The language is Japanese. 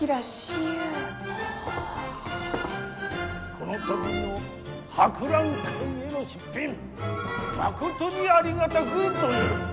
この度の博覧会への出品まことにありがたく存ずる。